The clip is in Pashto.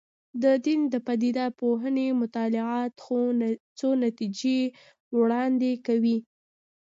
د دین د پدیده پوهنې مطالعات څو نتیجې وړاندې کوي.